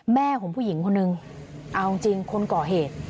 แม่ของผู้หญิงคนนึงเอาจริงคนก่อเหตุ